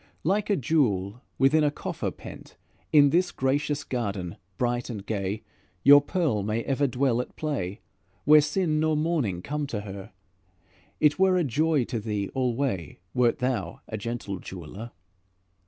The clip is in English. Like a jewel within a coffer pent, In this gracious garden bright and gay, Your pearl may ever dwell at play, Where sin nor mourning come to her; It were a joy to thee alway Wert thou a gentle jeweler.